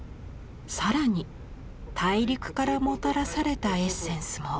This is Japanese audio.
更に大陸からもたらされたエッセンスも。